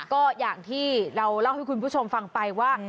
ก็อย่างที่เราเล่าให้คุณผู้ชมฟังไปว่า